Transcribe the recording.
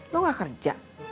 lo gak kerja